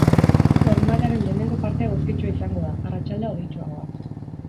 Larunbataren lehenengo partea eguzkitsua izango da, arratsaldea hodeitsuagoa.